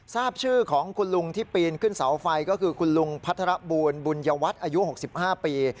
ทราบชื่อของคุณลุงที่ปีนขึ้นเสาไฟก็คือคุณลุงพัทรบูลบุญยวัตรอายุ๖๕ปี